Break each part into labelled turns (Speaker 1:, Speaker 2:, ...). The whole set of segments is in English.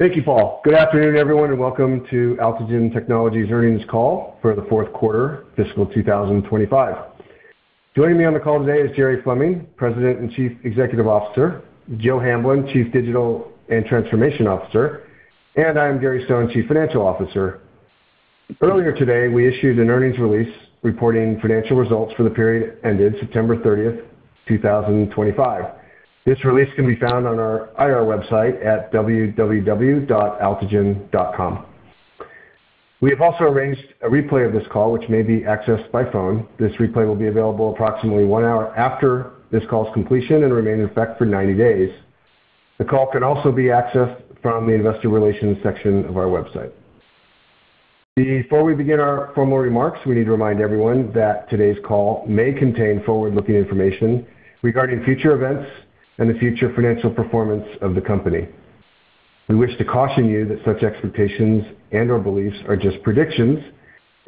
Speaker 1: Thank you, Paul. Good afternoon, everyone, and welcome to Altigen Technologies' earnings call for the fourth quarter, fiscal 2025. Joining me on the call today is Jerry Fleming, President and Chief Executive Officer, Joe Hamblin, Chief Digital and Transformation Officer, and I am Gary Stone, Chief Financial Officer. Earlier today, we issued an earnings release reporting financial results for the period ended September 30th 2025. This release can be found on our IR website at www.altigen.com. We have also arranged a replay of this call, which may be accessed by phone. This replay will be available approximately one hour after this call's completion and remain in effect for 90 days. The call can also be accessed from the investor relations section of our website. Before we begin our formal remarks, we need to remind everyone that today's call may contain forward-looking information regarding future events and the future financial performance of the company. We wish to caution you that such expectations and/or beliefs are just predictions,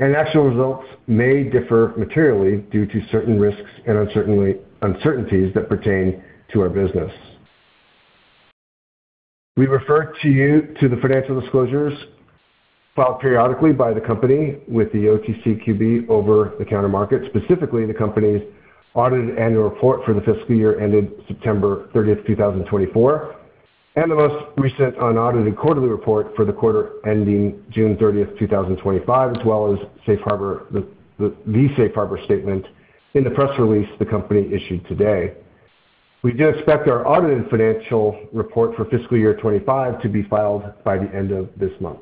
Speaker 1: and actual results may differ materially due to certain risks and uncertainties that pertain to our business. We refer you to the financial disclosures filed periodically by the company with the OTCQB over the counter market, specifically the company's audited annual report for the fiscal year ended September 30th 2024, and the most recent unaudited quarterly report for the quarter ending June 30th 2025, as well as the Safe Harbor Statement in the press release the company issued today. We do expect our audited financial report for fiscal year 2025 to be filed by the end of this month.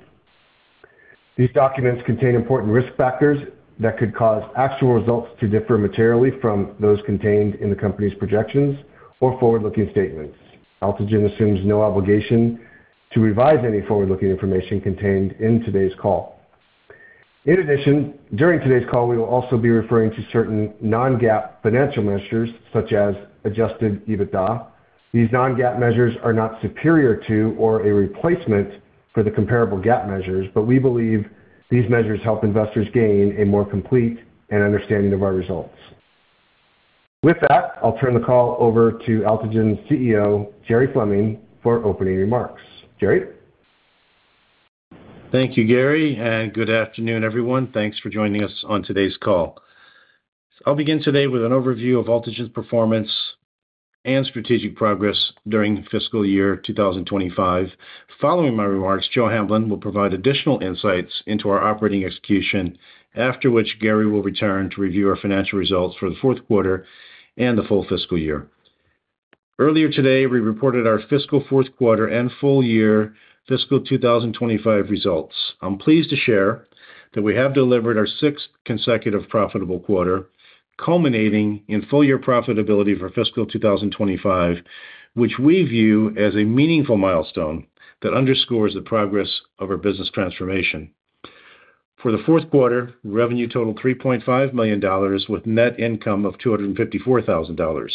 Speaker 1: These documents contain important risk factors that could cause actual results to differ materially from those contained in the company's projections or forward-looking statements. Altigen assumes no obligation to revise any forward-looking information contained in today's call. In addition, during today's call, we will also be referring to certain non-GAAP financial measures, such as Adjusted EBITDA. These non-GAAP measures are not superior to or a replacement for the comparable GAAP measures, but we believe these measures help investors gain a more complete understanding of our results. With that, I'll turn the call over to Altigen's CEO, Jerry Fleming, for opening remarks. Jerry?
Speaker 2: Thank you, Gary, and good afternoon, everyone. Thanks for joining us on today's call. I'll begin today with an overview of Altigen's performance and strategic progress during fiscal year 2025. Following my remarks, Joe Hamblin will provide additional insights into our operating execution, after which Gary will return to review our financial results for the fourth quarter and the full fiscal year. Earlier today, we reported our fiscal fourth quarter and full year, fiscal 2025, results. I'm pleased to share that we have delivered our sixth consecutive profitable quarter, culminating in full-year profitability for fiscal 2025, which we view as a meaningful milestone that underscores the progress of our business transformation. For the fourth quarter, revenue totaled $3.5 million with net income of $254,000.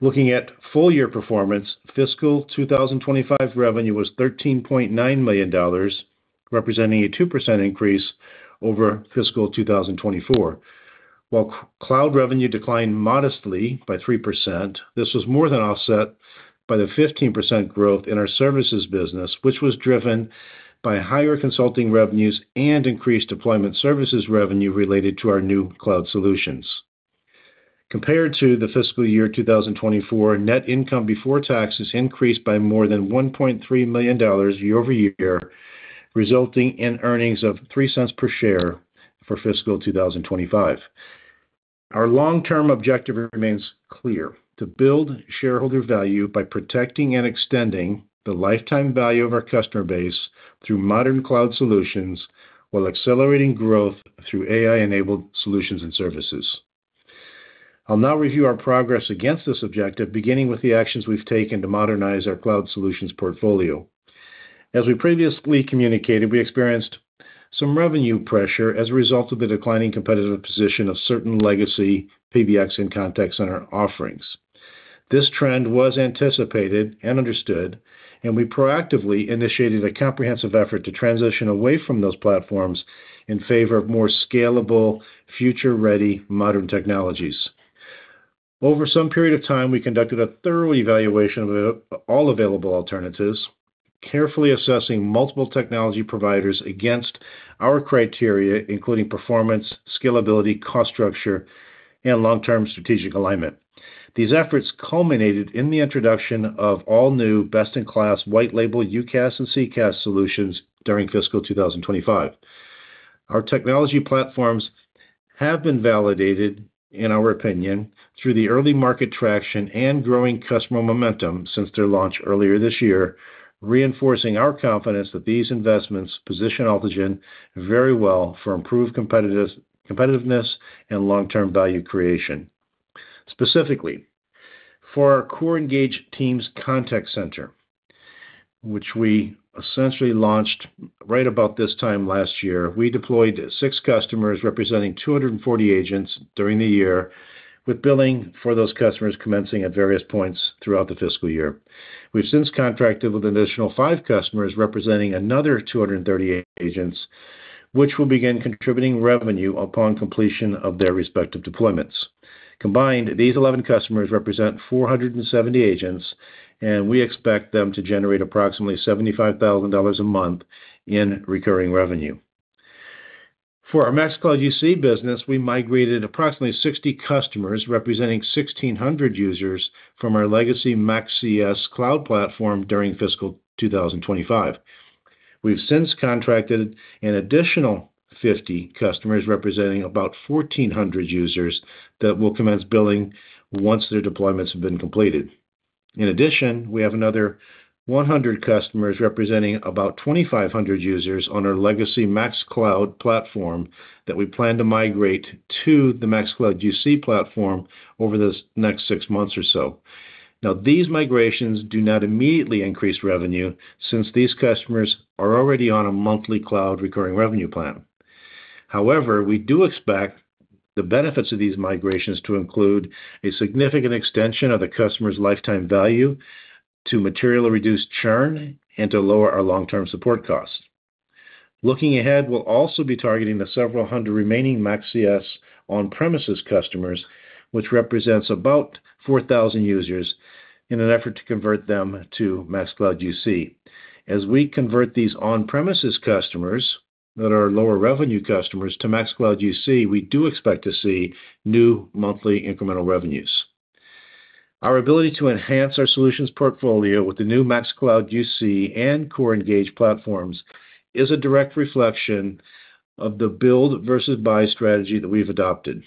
Speaker 2: Looking at full-year performance, fiscal 2025 revenue was $13.9 million, representing a 2% increase over fiscal 2024. While cloud revenue declined modestly by 3%, this was more than offset by the 15% growth in our services business, which was driven by higher consulting revenues and increased deployment services revenue related to our new cloud solutions. Compared to the fiscal year 2024, net income before taxes increased by more than $1.3 million year-over-year, resulting in earnings of $0.03 per share for fiscal 2025. Our long-term objective remains clear: to build shareholder value by protecting and extending the lifetime value of our customer base through modern cloud solutions while accelerating growth through AI-enabled solutions and services. I'll now review our progress against this objective, beginning with the actions we've taken to modernize our cloud solutions portfolio. As we previously communicated, we experienced some revenue pressure as a result of the declining competitive position of certain legacy PBX and contact center offerings. This trend was anticipated and understood, and we proactively initiated a comprehensive effort to transition away from those platforms in favor of more scalable, future-ready modern technologies. Over some period of time, we conducted a thorough evaluation of all available alternatives, carefully assessing multiple technology providers against our criteria, including performance, scalability, cost structure, and long-term strategic alignment. These efforts culminated in the introduction of all-new, best-in-class, white-label UCaaS and CCaaS solutions during fiscal 2025. Our technology platforms have been validated, in our opinion, through the early market traction and growing customer momentum since their launch earlier this year, reinforcing our confidence that these investments position Altigen very well for improved competitiveness and long-term value creation. Specifically, for our CoreEngage Teams Contact Center, which we essentially launched right about this time last year, we deployed six customers representing 240 agents during the year, with billing for those customers commencing at various points throughout the fiscal year. We've since contracted with an additional five customers representing another 230 agents, which will begin contributing revenue upon completion of their respective deployments. Combined, these 11 customers represent 470 agents, and we expect them to generate approximately $75,000 a month in recurring revenue. For our MaxCloud UC business, we migrated approximately 60 customers representing 1,600 users from our legacy MaxCS cloud platform during fiscal 2025. We've since contracted an additional 50 customers representing about 1,400 users that will commence billing once their deployments have been completed. In addition, we have another 100 customers representing about 2,500 users on our legacy MaxCloud platform that we plan to migrate to the MaxCloud UC platform over the next six months or so. Now, these migrations do not immediately increase revenue since these customers are already on a monthly cloud recurring revenue plan. However, we do expect the benefits of these migrations to include a significant extension of the customer's lifetime value to materially reduce churn and to lower our long-term support costs. Looking ahead, we'll also be targeting the several hundred remaining MaxCS on-premises customers, which represents about 4,000 users, in an effort to convert them to MaxCloud UC. As we convert these on-premises customers that are lower revenue customers to MaxCloud UC, we do expect to see new monthly incremental revenues. Our ability to enhance our solutions portfolio with the new MaxCloud UC and CoreEngage platforms is a direct reflection of the build-versus-buy strategy that we've adopted.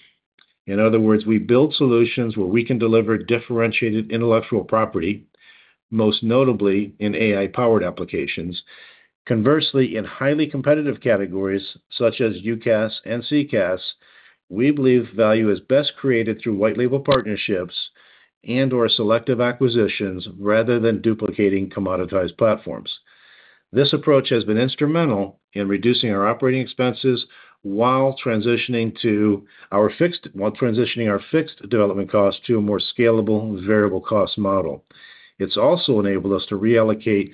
Speaker 2: In other words, we build solutions where we can deliver differentiated intellectual property, most notably in AI-powered applications. Conversely, in highly competitive categories such as UCaaS and CCaaS, we believe value is best created through white-label partnerships and/or selective acquisitions rather than duplicating commoditized platforms. This approach has been instrumental in reducing our operating expenses while transitioning our fixed development costs to a more scalable variable cost model. It's also enabled us to reallocate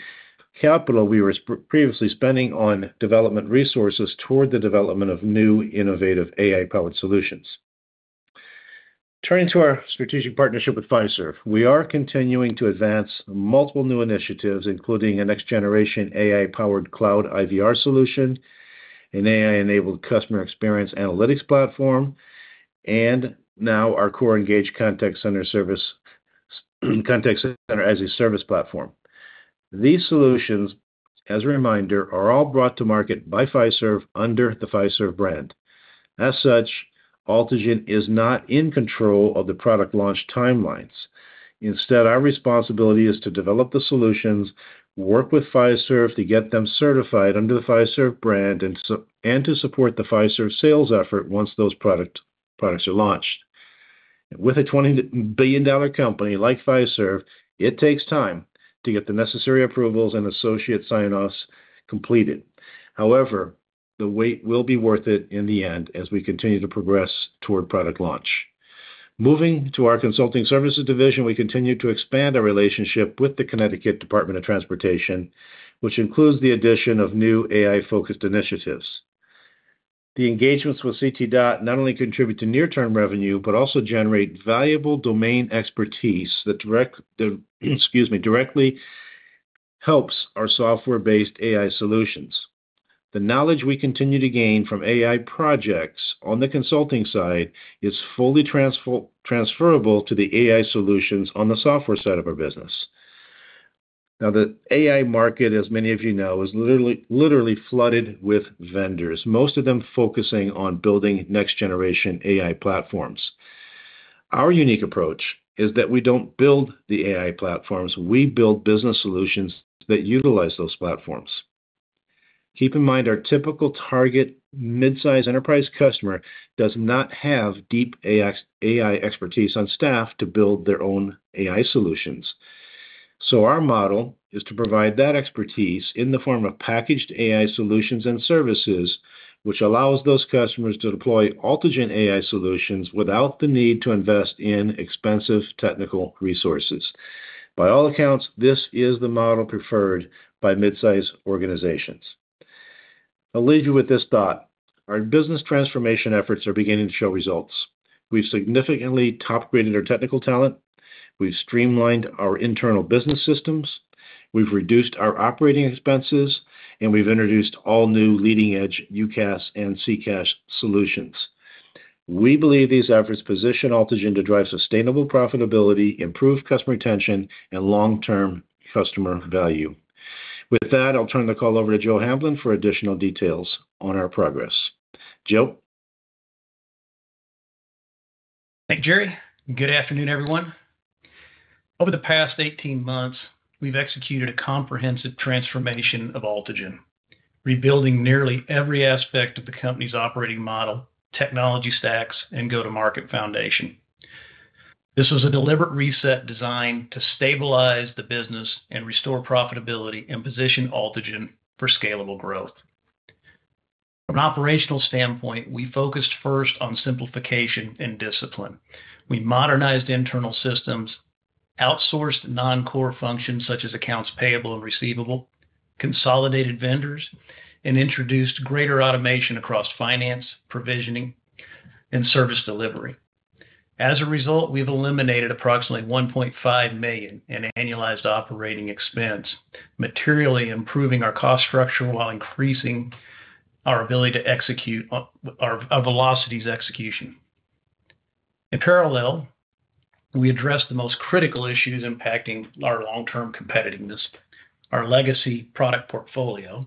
Speaker 2: capital we were previously spending on development resources toward the development of new innovative AI-powered solutions. Turning to our strategic partnership with Fiserv, we are continuing to advance multiple new initiatives, including a next-generation AI-powered cloud IVR solution, an AI-enabled customer experience analytics platform, and now our CoreEngage Contact Center as a Service platform. These solutions, as a reminder, are all brought to market by Fiserv under the Fiserv brand. As such, Altigen is not in control of the product launch timelines. Instead, our responsibility is to develop the solutions, work with Fiserv to get them certified under the Fiserv brand, and to support the Fiserv sales effort once those products are launched. With a $20 billion company like Fiserv, it takes time to get the necessary approvals and associate sign-offs completed. However, the wait will be worth it in the end as we continue to progress toward product launch. Moving to our consulting services division, we continue to expand our relationship with the Connecticut Department of Transportation, which includes the addition of new AI-focused initiatives. The engagements with CTDOT not only contribute to near-term revenue but also generate valuable domain expertise that directly helps our software-based AI solutions. The knowledge we continue to gain from AI projects on the consulting side is fully transferable to the AI solutions on the software side of our business. Now, the AI market, as many of you know, is literally flooded with vendors, most of them focusing on building next-generation AI platforms. Our unique approach is that we don't build the AI platforms; we build business solutions that utilize those platforms. Keep in mind, our typical target midsize enterprise customer does not have deep AI expertise on staff to build their own AI solutions. So our model is to provide that expertise in the form of packaged AI solutions and services, which allows those customers to deploy Altigen AI solutions without the need to invest in expensive technical resources. By all accounts, this is the model preferred by midsize organizations. I'll leave you with this thought: our business transformation efforts are beginning to show results. We've significantly top-graded our technical talent. We've streamlined our internal business systems. We've reduced our operating expenses, and we've introduced all-new leading-edge UCaaS and CCaaS solutions. We believe these efforts position Altigen to drive sustainable profitability, improve customer retention, and long-term customer value. With that, I'll turn the call over to Joe Hamblin for additional details on our progress. Joe?
Speaker 3: Thank you, Jerry. Good afternoon, everyone. Over the past 18 months, we've executed a comprehensive transformation of Altigen, rebuilding nearly every aspect of the company's operating model, technology stacks, and go-to-market foundation. This was a deliberate reset designed to stabilize the business and restore profitability and position Altigen for scalable growth. From an operational standpoint, we focused first on simplification and discipline. We modernized internal systems, outsourced non-core functions such as accounts payable and receivable, consolidated vendors, and introduced greater automation across finance, provisioning, and service delivery. As a result, we've eliminated approximately $1.5 million in annualized operating expense, materially improving our cost structure while increasing our ability to execute our velocity of execution. In parallel, we addressed the most critical issues impacting our long-term competitiveness, our legacy product portfolio.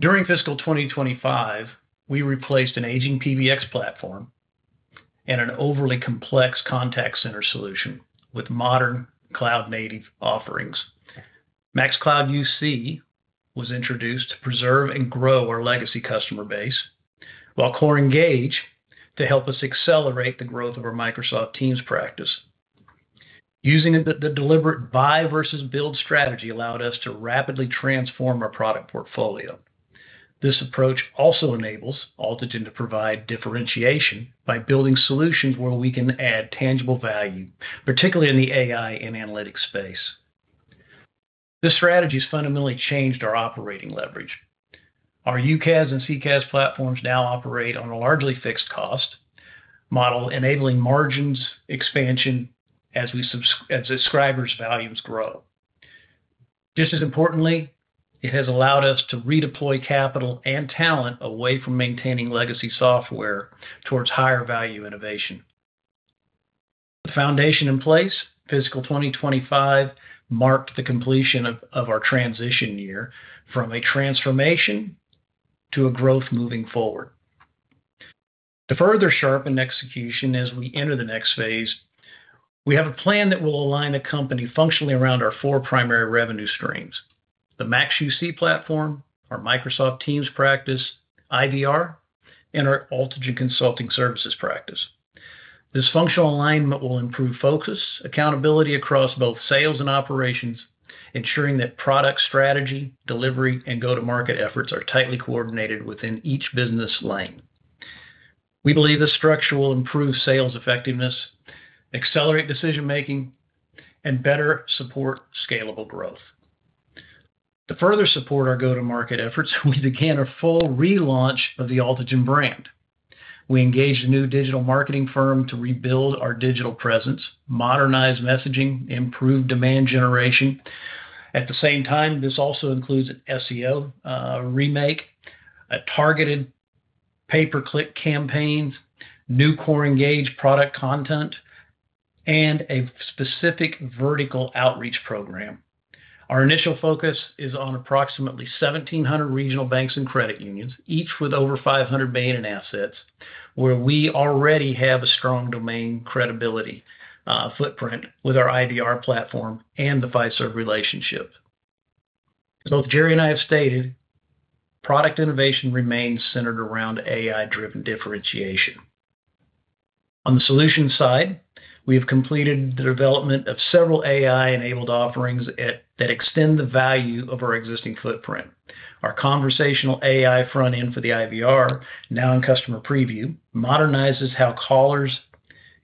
Speaker 3: During fiscal 2025, we replaced an aging PBX platform and an overly complex contact center solution with modern cloud-native offerings. MaxCloud UC was introduced to preserve and grow our legacy customer base, while CoreEngage to help us accelerate the growth of our Microsoft Teams practice. Using the deliberate buy-versus-build strategy allowed us to rapidly transform our product portfolio. This approach also enables Altigen to provide differentiation by building solutions where we can add tangible value, particularly in the AI and analytics space. This strategy has fundamentally changed our operating leverage. Our UCaaS and CCaaS platforms now operate on a largely fixed cost model, enabling margins expansion as subscribers' volumes grow. Just as importantly, it has allowed us to redeploy capital and talent away from maintaining legacy software towards higher-value innovation. With the foundation in place, fiscal 2025 marked the completion of our transition year from a transformation to a growth moving forward. To further sharpen execution as we enter the next phase, we have a plan that will align the company functionally around our four primary revenue streams: the MaxCloud UC platform, our Microsoft Teams practice, IVR, and our Altigen Consulting Services practice. This functional alignment will improve focus, accountability across both sales and operations, ensuring that product strategy, delivery, and go-to-market efforts are tightly coordinated within each business lane. We believe this structure will improve sales effectiveness, accelerate decision-making, and better support scalable growth. To further support our go-to-market efforts, we began a full relaunch of the Altigen brand. We engaged a new digital marketing firm to rebuild our digital presence, modernize messaging, and improve demand generation. At the same time, this also includes an SEO remake, targeted pay-per-click campaigns, new CoreEngage product content, and a specific vertical outreach program. Our initial focus is on approximately 1,700 regional banks and credit unions, each with over 500 million assets, where we already have a strong domain credibility footprint with our IVR platform and the Fiserv relationship. As both Jerry and I have stated, product innovation remains centered around AI-driven differentiation. On the solution side, we have completed the development of several AI-enabled offerings that extend the value of our existing footprint. Our conversational AI front-end for the IVR, now in customer preview, modernizes how callers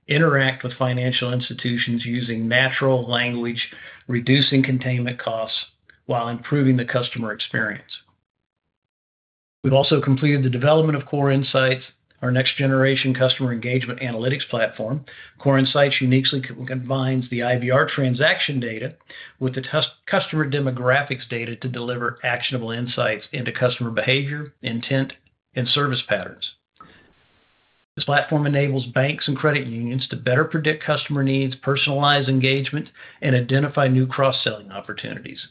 Speaker 3: interact with financial institutions using natural language, reducing containment costs while improving the customer experience. We've also completed the development of CoreInsights, our next-generation customer engagement analytics platform. CoreInsights uniquely combines the IVR transaction data with the customer demographics data to deliver actionable insights into customer behavior, intent, and service patterns. This platform enables banks and credit unions to better predict customer needs, personalize engagement, and identify new cross-selling opportunities.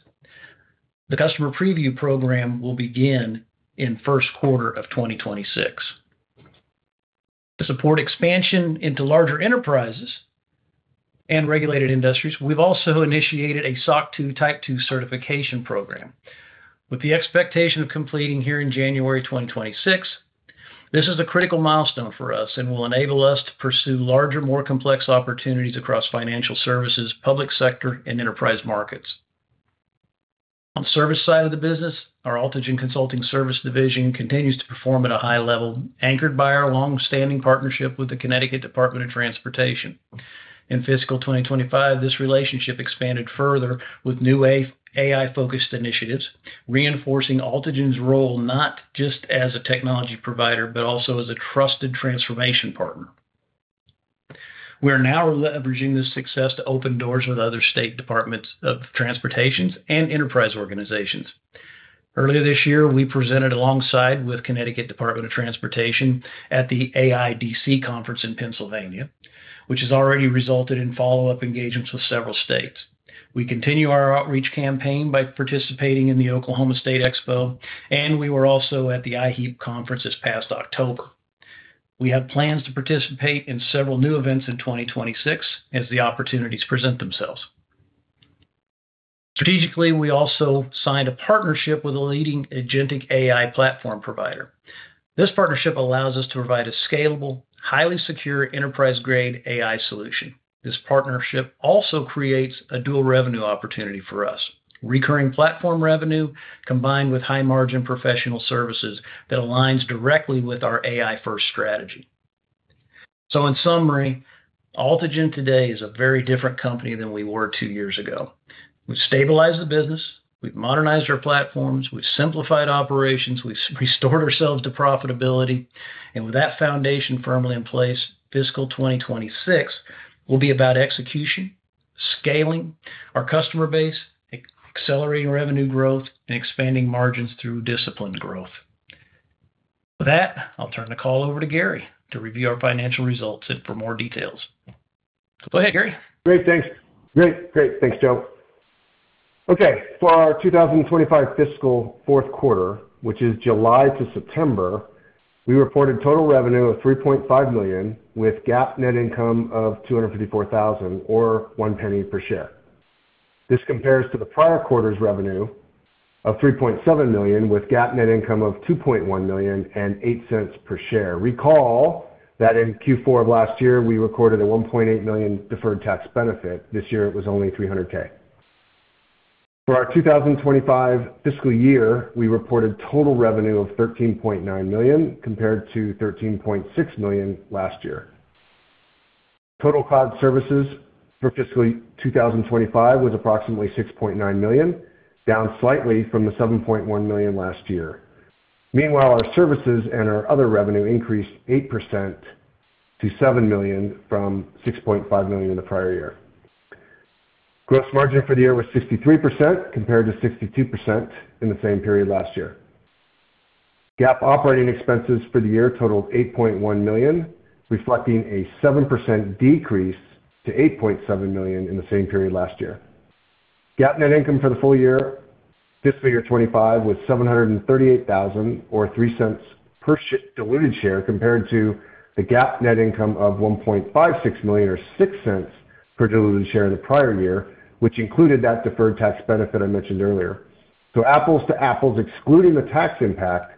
Speaker 3: The customer preview program will begin in the first quarter of 2026. To support expansion into larger enterprises and regulated industries, we've also initiated a SOC 2 Type 2 certification program with the expectation of completing here in January 2026. This is a critical milestone for us and will enable us to pursue larger, more complex opportunities across financial services, public sector, and enterprise markets. On the service side of the business, our Altigen Consulting Service Division continues to perform at a high level, anchored by our long-standing partnership with the Connecticut Department of Transportation. In fiscal 2025, this relationship expanded further with new AI-focused initiatives, reinforcing Altigen's role not just as a technology provider but also as a trusted transformation partner. We are now leveraging this success to open doors with other state departments of transportations and enterprise organizations. Earlier this year, we presented alongside the Connecticut Department of Transportation at the AIDC Conference in Pennsylvania, which has already resulted in follow-up engagements with several states. We continue our outreach campaign by participating in the Oklahoma State Expo, and we were also at the IHEEP Conference this past October. We have plans to participate in several new events in 2026 as the opportunities present themselves. Strategically, we also signed a partnership with a leading Agentic AI platform provider. This partnership allows us to provide a scalable, highly secure enterprise-grade AI solution. This partnership also creates a dual revenue opportunity for us: recurring platform revenue combined with high-margin professional services that aligns directly with our AI-first strategy. So, in summary, Altigen today is a very different company than we were two years ago. We've stabilized the business. We've modernized our platforms. We've simplified operations. We've restored ourselves to profitability. And with that foundation firmly in place, fiscal 2026 will be about execution, scaling our customer base, accelerating revenue growth, and expanding margins through disciplined growth. With that, I'll turn the call over to Gary to review our financial results and for more details. Go ahead, Gary.
Speaker 1: Thanks, Joe. Okay. For our 2025 fiscal fourth quarter, which is July to September, we reported total revenue of $3.5 million with GAAP net income of $254,000 or $0.01 per share. This compares to the prior quarter's revenue of $3.7 million with GAAP net income of $2.1 million and $0.08 per share. Recall that in Q4 of last year, we recorded a $1.8 million deferred tax benefit. This year, it was only $300,000. For our 2025 fiscal year, we reported total revenue of $13.9 million compared to $13.6 million last year. Total cloud services for fiscal 2025 was approximately $6.9 million, down slightly from the $7.1 million last year. Meanwhile, our services and our other revenue increased 8% to $7 million from $6.5 million in the prior year. Gross margin for the year was 63% compared to 62% in the same period last year. GAAP operating expenses for the year totaled $8.1 million, reflecting a 7% decrease to $8.7 million in the same period last year. GAAP net income for the full year, fiscal year 2025, was $738,000 or three cents per diluted share compared to the GAAP net income of $1.56 million or six cents per diluted share in the prior year, which included that deferred tax benefit I mentioned earlier. So, apples-to-apples excluding the tax impact,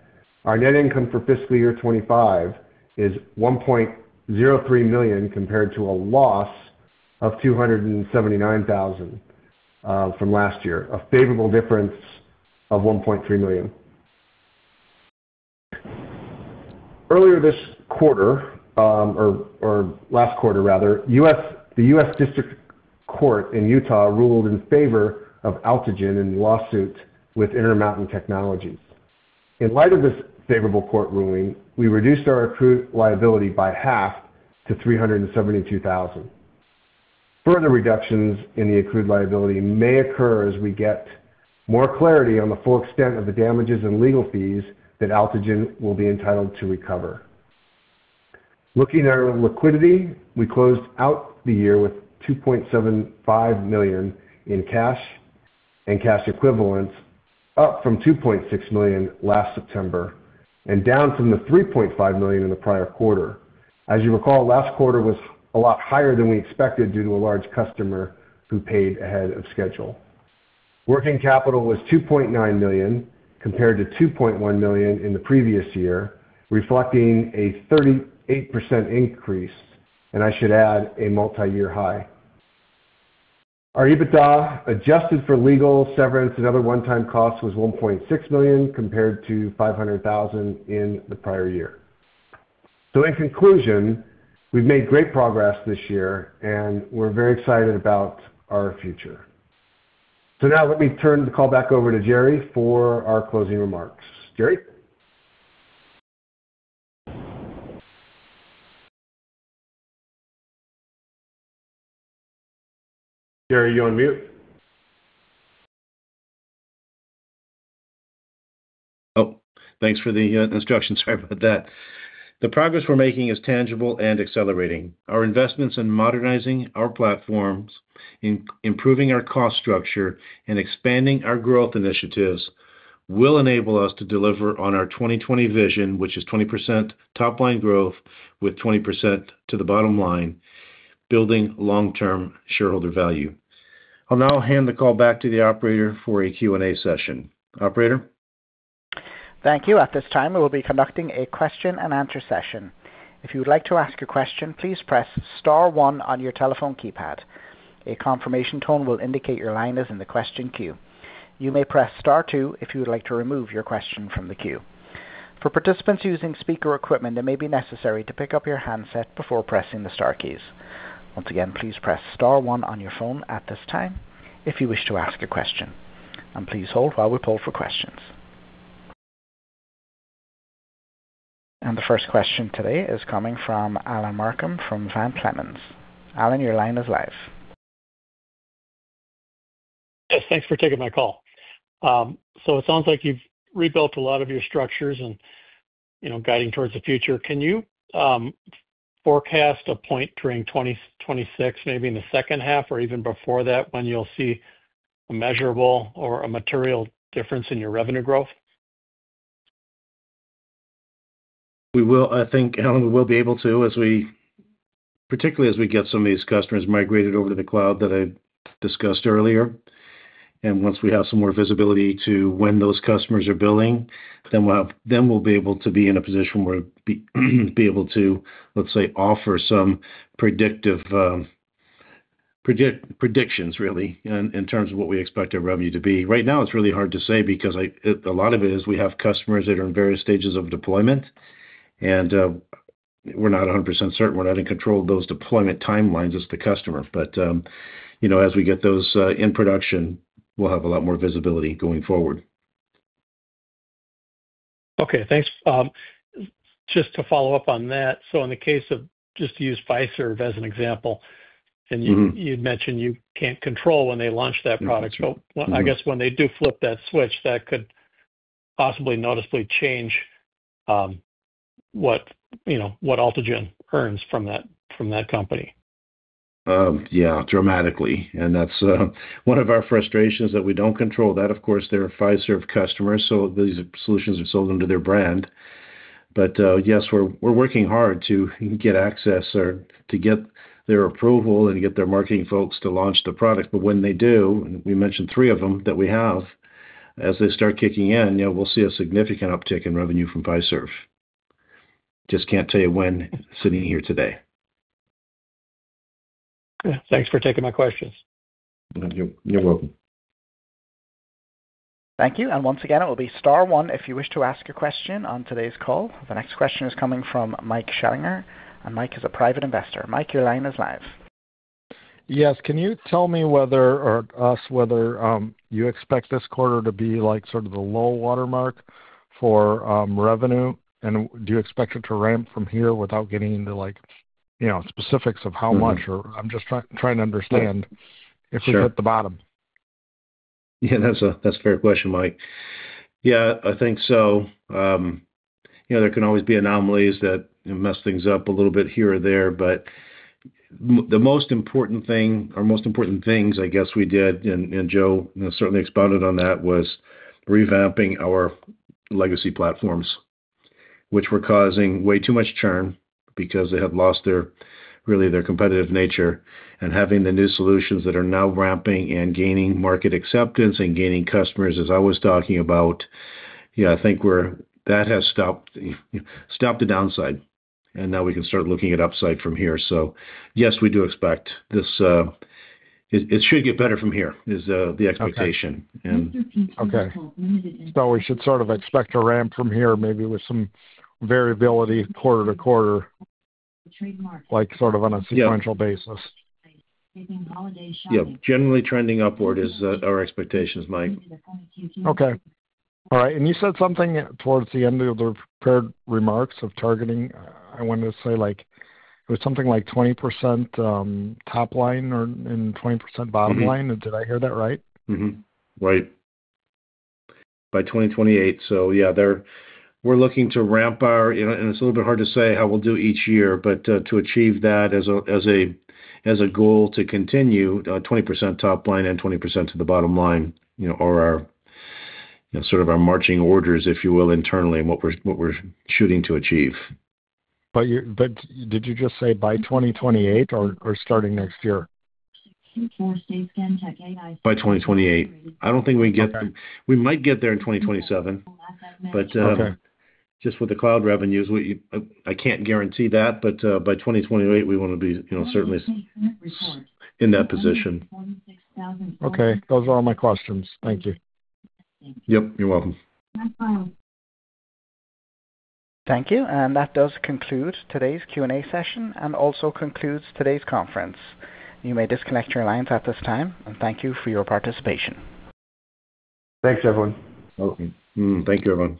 Speaker 1: our net income for fiscal year 2025 is $1.03 million compared to a loss of $279,000 from last year, a favorable difference of $1.3 million. Earlier this quarter, or last quarter rather, the U.S. District Court in Utah ruled in favor of Altigen in the lawsuit with Intermountain Technology. In light of this favorable court ruling, we reduced our accrued liability by half to $372,000. Further reductions in the accrued liability may occur as we get more clarity on the full extent of the damages and legal fees that Altigen will be entitled to recover. Looking at our liquidity, we closed out the year with $2.75 million in cash and cash equivalents, up from $2.6 million last September and down from the $3.5 million in the prior quarter. As you recall, last quarter was a lot higher than we expected due to a large customer who paid ahead of schedule. Working capital was $2.9 million compared to $2.1 million in the previous year, reflecting a 38% increase, and I should add a multi-year high. Our EBITDA adjusted for legal, severance, and other one-time costs was $1.6 million compared to $500,000 in the prior year. So, in conclusion, we've made great progress this year, and we're very excited about our future. So now, let me turn the call back over to Jerry for our closing remarks. Jerry? Jerry, you're on mute.
Speaker 2: Oh, thanks for the instructions. Sorry about that. The progress we're making is tangible and accelerating. Our investments in modernizing our platforms, improving our cost structure, and expanding our growth initiatives will enable us to deliver on our 2020 vision, which is 20% top-line growth with 20% to the bottom line, building long-term shareholder value. I'll now hand the call back to the operator for a Q&A session. Operator?
Speaker 4: Thank you. At this time, we will be conducting a question-and-answer session. If you would like to ask a question, please press star one on your telephone keypad. A confirmation tone will indicate your line is in the question queue. You may press star two if you would like to remove your question from the queue. For participants using speaker equipment, it may be necessary to pick up your handset before pressing the star keys. Once again, please press star one on your phone at this time if you wish to ask a question. And please hold while we pull for questions. And the first question today is coming from Alan Markham from Van Clemens. Alan, your line is live.
Speaker 5: Yes. Thanks for taking my call. So it sounds like you've rebuilt a lot of your structures and guiding towards the future. Can you forecast a point during 2026, maybe in the second half or even before that, when you'll see a measurable or a material difference in your revenue growth?
Speaker 2: We will. I think, Alan, we will be able to, particularly as we get some of these customers migrated over to the cloud that I discussed earlier, and once we have some more visibility to when those customers are billing, then we'll be able to be in a position where we'll be able to, let's say, offer some predictions, really, in terms of what we expect our revenue to be. Right now, it's really hard to say because a lot of it is we have customers that are in various stages of deployment, and we're not 100% certain. We're not in control of those deployment timelines as the customer, but as we get those in production, we'll have a lot more visibility going forward.
Speaker 5: Okay. Thanks. Just to follow up on that, so in the case of just to use Fiserv as an example, and you'd mentioned you can't control when they launch that product. So I guess when they do flip that switch, that could possibly noticeably change what Altigen earns from that company.
Speaker 2: Yeah, dramatically. And that's one of our frustrations that we don't control that. Of course, they're Fiserv customers, so these solutions are sold under their brand. But yes, we're working hard to get access or to get their approval and get their marketing folks to launch the product. But when they do, and we mentioned three of them that we have, as they start kicking in, we'll see a significant uptick in revenue from Fiserv. Just can't tell you when sitting here today.
Speaker 5: Okay. Thanks for taking my questions.
Speaker 2: You're welcome.
Speaker 4: Thank you and once again, it will be star one if you wish to ask a question on today's call. The next question is coming from Mike Schellinger, and Mike is a private investor. Mike, your line is live.
Speaker 6: Yes. Can you tell me whether or not you expect this quarter to be sort of the low watermark for revenue? And do you expect it to ramp from here without getting into specifics of how much? I'm just trying to understand if we're at the bottom.
Speaker 2: Yeah. That's a fair question, Mike. Yeah, I think so. There can always be anomalies that mess things up a little bit here or there. But the most important thing, our most important things, I guess we did, and Joe certainly expounded on that, was revamping our legacy platforms, which were causing way too much churn because they had lost really their competitive nature. And having the new solutions that are now ramping and gaining market acceptance and gaining customers, as I was talking about, yeah, I think that has stopped the downside. And now we can start looking at upside from here. So yes, we do expect this. It should get better from here is the expectation.
Speaker 6: Okay. So we should sort of expect a ramp from here, maybe with some variability quarter to quarter, sort of on a sequential basis.
Speaker 2: Yeah. Generally trending upward is our expectations, Mike.
Speaker 6: Okay. All right. And you said something towards the end of the prepared remarks of targeting. I wanted to say it was something like 20% top line and 20% bottom line. Did I hear that right?
Speaker 2: Right. By 2028. So yeah, we're looking to ramp our--and it's a little bit hard to say how we'll do each year--but to achieve that as a goal to continue 20% top line and 20% to the bottom line are sort of our marching orders, if you will, internally, and what we're shooting to achieve.
Speaker 6: But did you just say by 2028 or starting next year?
Speaker 2: By 2028, I don't think we get there. We might get there in 2027, but just with the cloud revenues, I can't guarantee that, but by 2028, we want to be certainly in that position. Okay. Those are all my questions. Thank you. Yep. You're welcome.
Speaker 4: Thank you. And that does conclude today's Q&A session and also concludes today's conference. You may disconnect your lines at this time. And thank you for your participation.
Speaker 1: Thanks, everyone.
Speaker 2: Thank you, everyone.